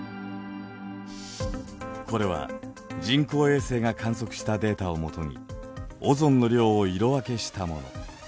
これは人工衛星が観測したデータを基にオゾンの量を色分けしたもの。